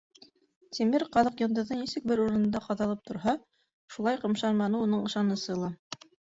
Тимер ҡаҙыҡ йондоҙо нисек бер урында ҡаҙалып торһа, шулай ҡымшанманы уның ышанысы ла.